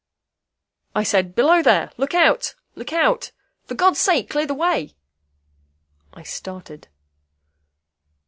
"I said, 'Below there! Look out! Look out! For God's sake, clear the way!'" I started.